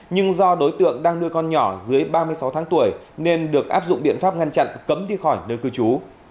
nhưng do đối tượng đang nuôi con nhỏ dưới ba mươi sáu tháng tuổi nên được áp dụng biện pháp ngăn chặn cấm đi khỏi nơi cư trú